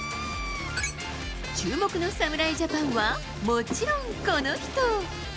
注目の侍ジャパンは、もちろんこの人。